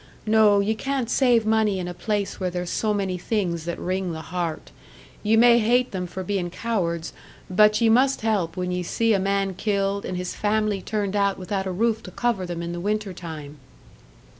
No ye can't save money in a place where there's so many things that wring the heart. Ye may hate them for being cowards but ye must help when ye see a man killed, and his family turned out without a roof to cover them in the winter time!"